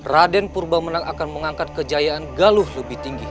raden purba menang akan mengangkat kejayaan galuh lebih tinggi